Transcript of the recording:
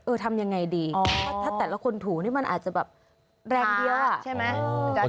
เออทำยังไงดีถ้าแต่ละคนถูมันอาจจะแบบแรงเดียวอะ